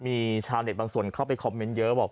มีชาวเน็ตบางส่วนเข้าไปคอมเมนต์เยอะบอก